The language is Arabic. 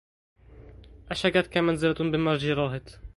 أشجتك منزلة بمرجي راهط